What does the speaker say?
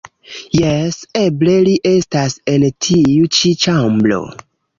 Jes, eble li estas en tiu ĉi ĉambro